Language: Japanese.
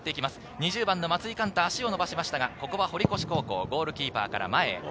２０番・松井貫太、足を伸ばしましたが、堀越、ゴールキーパーから前へ。